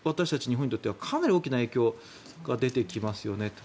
日本にとってはかなり大きな影響が出てきますよねと。